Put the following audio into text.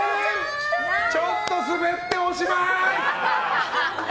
ちょっと滑っておしまい！